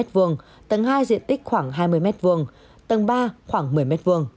tầng hai diện tích khoảng hai mươi m hai tầng ba khoảng một mươi m hai